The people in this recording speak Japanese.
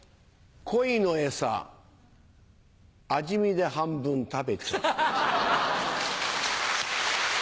コイの餌味見で半分食べちゃった。